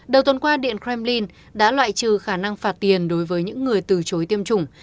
đầu tuần qua điện kremlin đã loại trừ khả năng phạt tiền đối với những người từ chối tiêm chủng